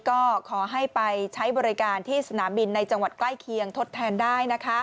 ก็ขอให้ไปใช้บริการที่สนามบินในจังหวัดใกล้เคียงทดแทนได้